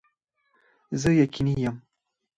زه یقیني یم